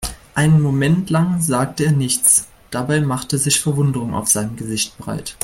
Einen Moment lang sagte er nichts, dabei machte sich Verwunderung auf seinem Gesicht breit.